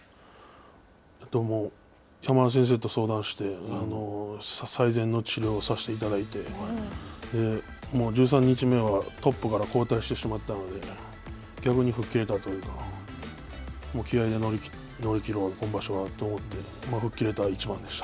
山田先生と相談して、最善の治療をさしていただいて１３日目はトップから後退してしまったので、逆に吹っ切れたというか気合いで乗り切ろう、今場所はと思って、吹っ切れた一番でした。